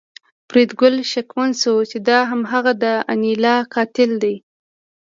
فریدګل شکمن شو چې دا هماغه د انیلا قاتل دی